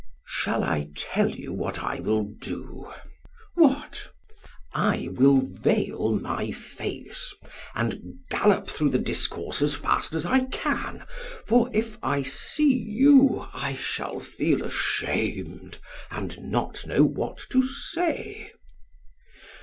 SOCRATES: Shall I tell you what I will do? PHAEDRUS: What? SOCRATES: I will veil my face and gallop through the discourse as fast as I can, for if I see you I shall feel ashamed and not know what to say.